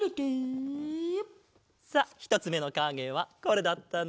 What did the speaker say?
さあひとつめのかげはこれだったな。